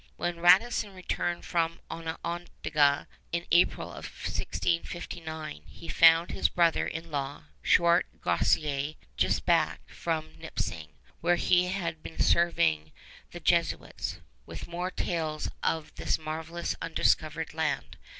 When Radisson returned from Onondaga in April of 1659, he found his brother in law, Chouart Groseillers, just back from Nipissing, where he had been serving the Jesuits, with more tales of this marvelous undiscovered land.